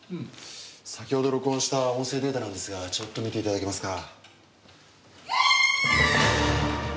先ほど録音した音声データなんですがちょっと見ていただけますか？